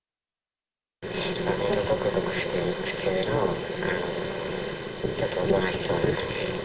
ほんと、ごくごく普通のちょっとおとなしそうな感じ。